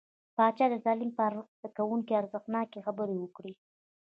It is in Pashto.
پاچا د تعليم په ارزښت، زده کوونکو ته ارزښتناکې خبرې وکړې .